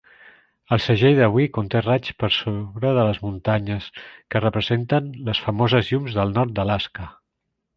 El segell d'avui conté raigs per sobre de les muntanyes que representen les famoses llums del nord d'Alaska.